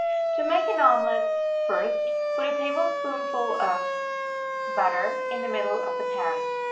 To make an omelet: First, put a tablespoonful of butter in the middle of the pan.